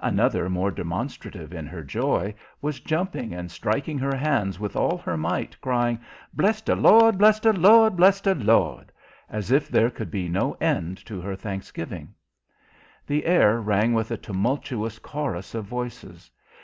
Another, more demonstrative in her joy, was jumping and striking her hands with all her might, crying, "Bless de Lord! Bless de Lord! Bless de Lord!" as if there could be no end to her thanksgiving. The air rang with a tumultuous chorus of voices.